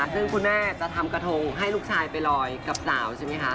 ซึ่งคุณแม่จะทำกระทงให้ลูกชายไปลอยกับสาวใช่ไหมคะ